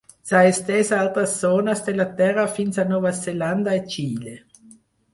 S'ha estès a altres zones de la terra fins a Nova Zelanda i Xile.